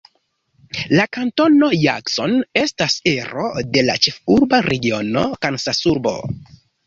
La kantono Jackson estas ero de la Ĉefurba Regiono Kansasurbo.